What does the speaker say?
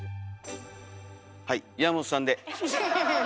はい山本さんで。